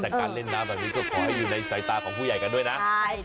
แต่การเล่นน้ำแบบนี้ก็ขอให้อยู่ในสายตาของผู้ใหญ่กันด้วยนะ